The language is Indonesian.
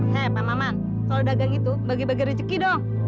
hei pak maman kalau dagang itu bagi bagi rezeki dong